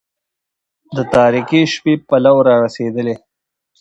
د تاريكي شپې پلو را رسېدلى